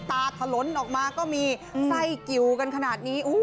ถลนออกมาก็มีไส้กิวกันขนาดนี้